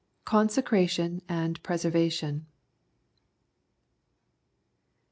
CONSECRATION AND PRESERVATION.